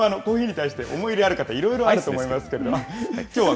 コーヒーに対して思い入れある方、いろいろあると思いますけれども。